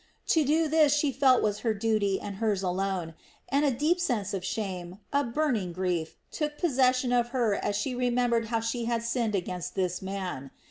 To do this she felt was her duty and hers only, and a deep sense of shame, a burning grief took possession of her as she remembered how she had sinned against this man.